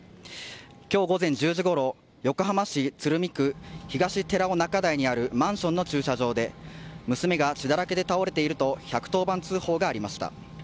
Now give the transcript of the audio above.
今日午前１０時ごろ横浜市鶴見区東寺尾中台にあるマンションの駐車場で娘が血だらけで倒れていると１１０番通報がありました。